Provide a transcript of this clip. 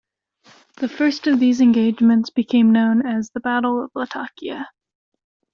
The first of these engagements became known as the Battle of Latakia.